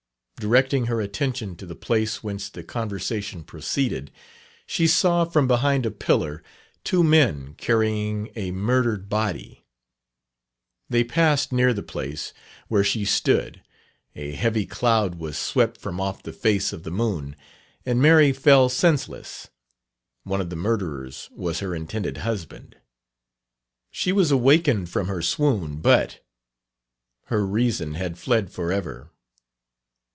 Directing her attention to the place whence the conversation proceeded, she saw, from behind a pillar, two men carrying a murdered body: they passed near the place where she stood, a heavy cloud was swept from off the face of the moon, and Mary fell senseless one of the murderers was her intended husband! She was awakened from her swoon, but her reason had fled for ever."